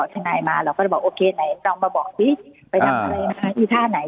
ชนัยมาเราก็จะบอกไหนต้องมาบอกสิอีท่าไหน